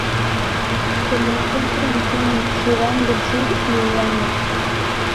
Se lo encuentra en Kenia, Sudán del sur, y Uganda.